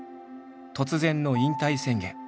突然の引退宣言。